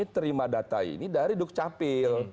terima data ini dari duk capil